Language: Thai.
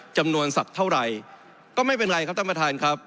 จำนวนสัตว์เท่าไหร่ก็ไม่เป็นไรครับท่านประธานครับ